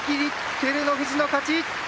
照ノ富士の勝ち！